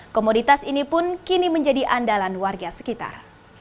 komoditas ini pun kini menjadi andalan warga sekitar